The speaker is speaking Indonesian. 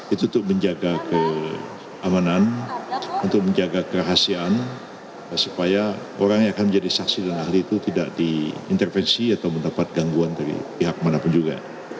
itu untuk menjaga keamanan untuk menjaga kerahasiaan supaya orang yang akan menjadi saksi dan ahli itu tidak diintervensi atau mendapat gangguan dari pihak manapun juga